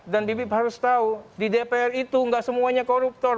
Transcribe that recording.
dan bibip harus tahu di dpr itu nggak semuanya koruptor